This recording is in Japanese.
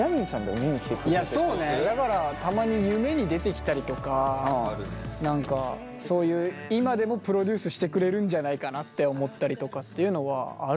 だからたまに夢に出てきたりとか何かそういう今でもプロデュースしてくれるんじゃないかなって思ったりとかっていうのはあるよね。